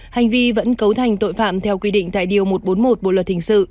hành vi vẫn cấu thành tội phạm theo quy định tại điều một trăm bốn mươi một bộ luật hình sự